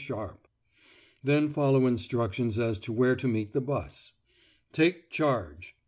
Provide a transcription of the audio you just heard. sharp." Then follow instructions as to where to meet the 'bus. "Take charge!"